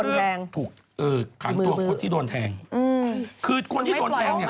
ขังตัวคนที่โดนแทงอืมคือคนที่โดนแทงเนี่ย